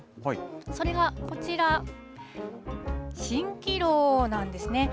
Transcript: それがこちら、しんきろうなんですね。